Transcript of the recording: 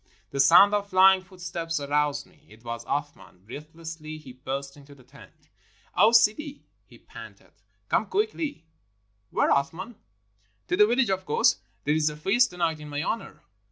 The sound of flying footsteps aroused me. It was Athman. Breathlessly he burst into the tent. "O Sidi," he panted, "come quickly." "Where, Athman?" "To the village, of course. There is a feast to night in my honor."